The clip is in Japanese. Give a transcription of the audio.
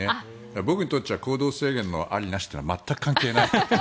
僕にとっちゃ行動制限のありなしというのは全く関係ない。